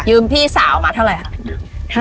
พี่สาวมาเท่าไหร่คะ